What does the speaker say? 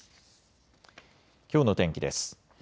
きょうの天気です。